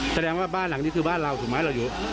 แสดงว่าบ้านหลังนี้คือบ้านเราถูกไหมเราอยู่